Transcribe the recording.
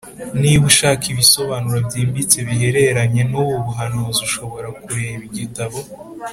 Niba ushaka ibisobanuro byimbitse bihereranye n ubu buhanuzi ushobora kureba igitabo